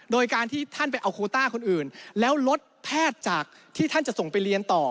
โดยการที่ท่านไปเอาโคต้าคนอื่นแล้วลดแพทย์จากที่ท่านจะส่งไปเรียนต่อ